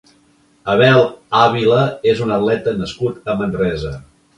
Abel Ávila és un atleta nascut a Manresa.